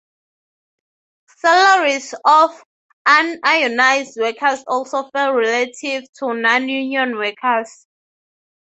Salaries of unionized workers also fell relative to non-union workers.